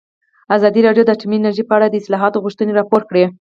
ازادي راډیو د اټومي انرژي په اړه د اصلاحاتو غوښتنې راپور کړې.